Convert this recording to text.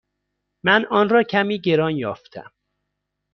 من آن را کمی گران یافتم.